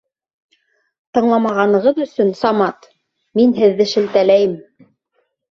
Тыңламағанығыҙ өсөн, Самат, мин һеҙҙе шелтәләйем